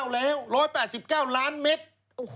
แล้ว๑๘๙ล้านเมตร